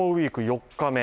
４日目